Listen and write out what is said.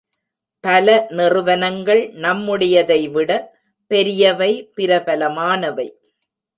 பல நிறுவனங்கள் நம்முடையதைவிட பெரியவை பிரபலமானவை.